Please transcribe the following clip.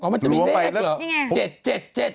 อ๋อมันจะมีเลขเหรอนี่ไง